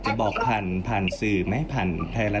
ว่าคุณแม่จะเอาแมนมาจ่ายนะ